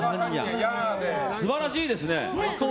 素晴らしいですね。